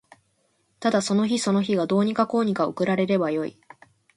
ただその日その日がどうにかこうにか送られればよい